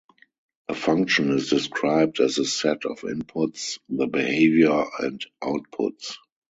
A function is described as a set of inputs, the behavior, and outputs.